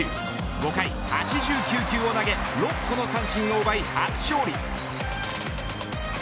５回８９球を投げ６個の三振を奪い初勝利。